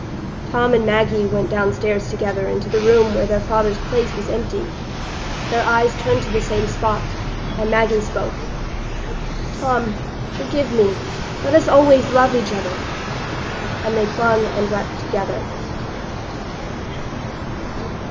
Tom and Maggie went downstairs together into the room where their father's place was empty. Their eyes turned to the same spot, and Maggie spoke,— "Tom, forgive me—let us always love each other"; and they clung and wept together.